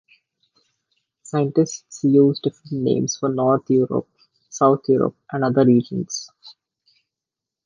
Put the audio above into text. Scientists use different names for north Europe, south Europe and other regions.